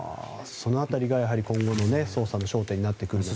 その辺りが今後の捜査の焦点になってくると。